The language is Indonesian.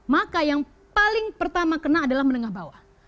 maka yang paling pertama kena adalah menengah bawah